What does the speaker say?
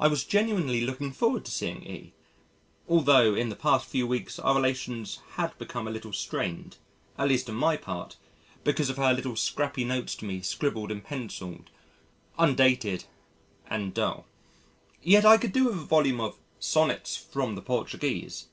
I was genuinely looking forward to seeing E , altho' in the past few weeks our relations had become a little strained, at least on my part, mainly because of her little scrappy notes to me scribbled in pencil, undated, and dull! Yet I could do with a volume of "Sonnets from the Portuguese."